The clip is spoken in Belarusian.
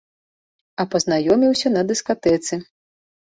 А пазнаёміўся на дыскатэцы.